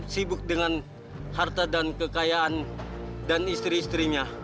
sibuk dengan harta dan kekayaan dan istri istrinya